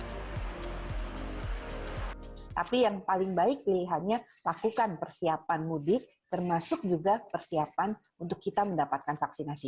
tapi yang paling baik pilihannya lakukan persiapan mudik termasuk juga persiapan untuk kita mendapatkan vaksinasi